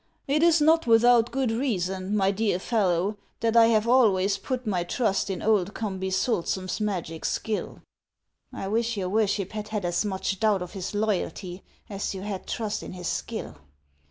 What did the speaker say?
It is not without good reason, my dear fellow, that I have always put my trust in old Curnby sulsum's magic skill." " I wish your worship had had as much doubt of his loyalty as you had trust in his skill.